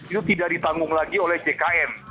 itu tidak ditanggung lagi oleh jkn